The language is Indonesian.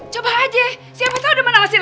coba aja siapa tau demen sama si lela